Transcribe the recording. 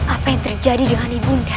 apa yang terjadi dengan ibu nda